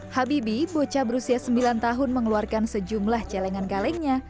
hai habibie bocah berusia sembilan tahun mengeluarkan sejumlah celengan kalengnya